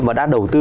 và đã đầu tư